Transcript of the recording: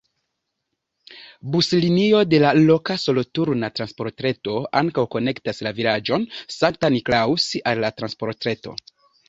Buslinio de la loka soloturna transportreto ankaŭ konektas la vilaĝon Sankt-Niklaus al la transportreto.